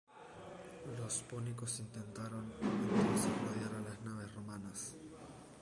Los púnicos intentaron entonces rodear a las naves romanas.